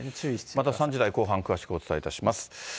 また３時台後半も詳しくお伝えいたします。